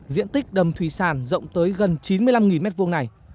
diện tích đầm thủy sản rộng tới gần chín mươi năm m hai này